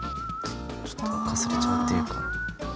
ちょっとかすれちゃうっていうか。